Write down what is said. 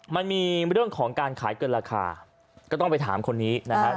มันมีเรื่องของการขายเกินราคาก็ต้องไปถามคนนี้นะครับ